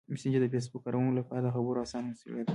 مسېنجر د فېسبوک کاروونکو لپاره د خبرو اسانه وسیله ده.